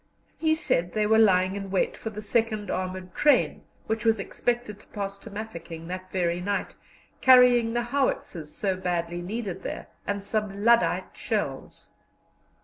He said they were lying in wait for the second armoured train, which was expected to pass to Mafeking that very night, carrying the howitzers so badly needed there, and some lyddite shells.